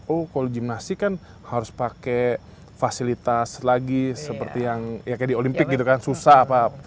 oh kalau gimnastik kan harus pakai fasilitas lagi seperti yang ya kayak di olimpik gitu kan susah pak